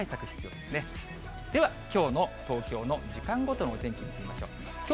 では、きょうの東京の時間ごとのお天気、見てみましょう。